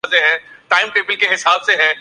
یہ انسان کے تہذیبی سفر سے نا آ شنائی کی دلیل ہے۔